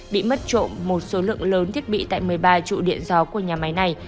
bị mất trộm một số lượng lớn thiết bị tại một mươi ba trụ điện gió của nhà máy này